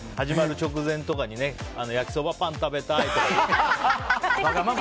始まる直前とかにね焼きそばパン食べたい！とか。